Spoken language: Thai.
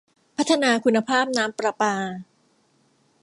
พัฒนาคุณภาพน้ำประปา